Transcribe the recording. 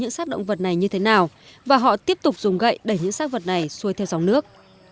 những sắc động vật này như thế nào và họ tiếp tục dùng gậy để những sát vật này xuôi theo dòng nước